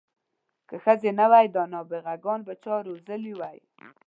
که ښځې نه وای دا نابغه ګان به چا روزلي وی.